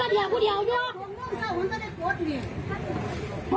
มันไม่พูดยาวมันจะอร่อยเต้า